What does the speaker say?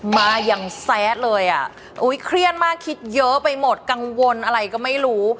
มาอย่างแซดเลยอ่ะอุ๊ยเครียดมากคิดเยอะไปหมดกังวลอะไรก็ไม่รู้